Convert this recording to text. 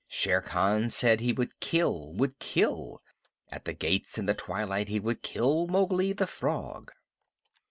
Shere Khan said he would kill would kill! At the gates in the twilight he would kill Mowgli, the Frog!